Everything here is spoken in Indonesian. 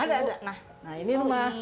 ada ada nah ini rumah